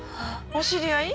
お知り合い？